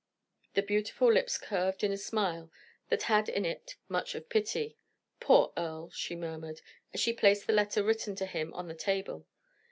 The beautiful lips curved in a smile that had in it much of pity. "Poor Earle!" she murmured, as she placed the letter written to him on the table.